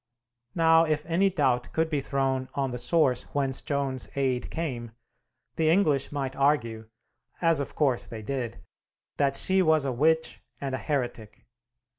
Now, if any doubt could be thrown on the source whence Joan's aid came, the English might argue (as of course they did) that she was a witch and a heretic.